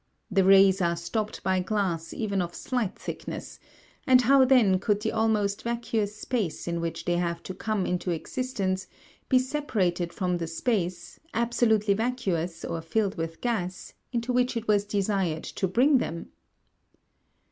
The rays are stopped by glass even of slight thickness, and how then could the almost vacuous space in which they have to come into existence be separated from the space, absolutely vacuous or filled with gas, into which it was desired to bring them?